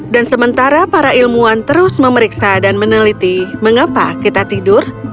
dan sementara para ilmuwan terus memeriksa dan meneliti mengapa kita tidur